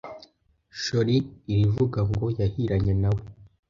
Shori irivuga ngo yahiranye na we